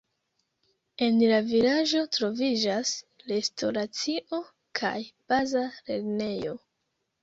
En la vilaĝo troviĝas restoracio kaj baza lernejo.